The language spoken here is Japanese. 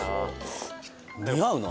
似合うな。